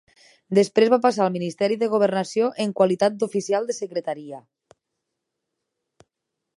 Després va passar al Ministeri de Governació en qualitat d'Oficial de Secretaria.